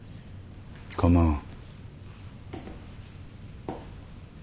構わん。